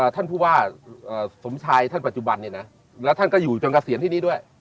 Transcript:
ท่านพูดว่าสมชายท่านปัจจุบันนี่นะและท่านก็อยู่จังหวัดเสียงที่นี่ด้วย